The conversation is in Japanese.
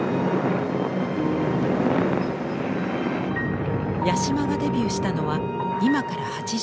八島がデビューしたのは今から８０年前。